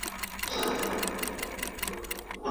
سياسي آزادي د انسان اساسي حق دی.